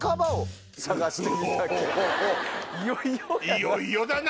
いよいよだな！